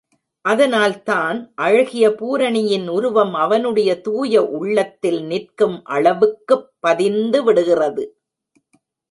அதனால்தான் அழகிய பூரணியின் உருவம் அவனுடைய தூய உள்ளத்தில் நிற்கும் அளவுக்குப் பதிந்துவிடுகிறது.